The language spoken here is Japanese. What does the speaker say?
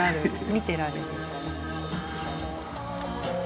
見てられる。